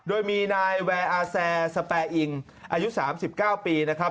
โดยมีนายแวร์อาแซสแปอิงอายุ๓๙ปีนะครับ